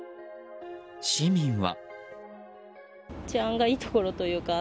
市民は。